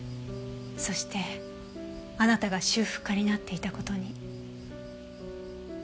そしてあなたが修復家になっていた事に。